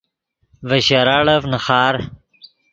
ڤے شراڑف نیخار